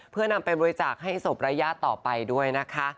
เพื่อนำไปบริจาคให้ศพรายญาติต่อไปด้วยนะคะ